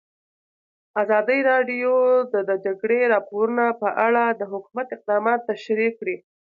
ازادي راډیو د د جګړې راپورونه په اړه د حکومت اقدامات تشریح کړي.